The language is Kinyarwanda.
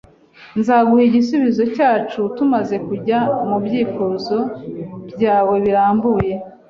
Nzaguha igisubizo cyacu tumaze kujya mubyifuzo byawe birambuye.